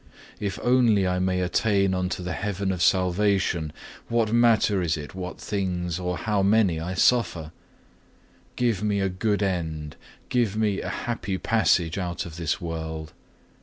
If only I may attain unto the haven of salvation, what matter is it what things or how many I suffer? Give me a good end, give me a happy passage out of this world.